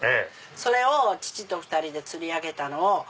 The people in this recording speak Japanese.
それを父と２人で釣り上げたのを。